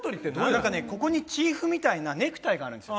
ここにチーフみたいなネクタイがあるんですよ。